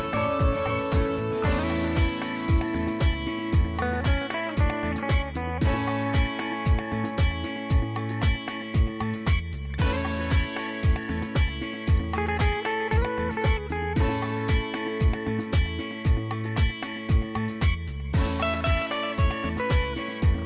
สวัสดีครับ